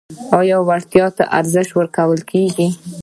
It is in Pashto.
آیا وړتیا ته ارزښت ورکول کیږي؟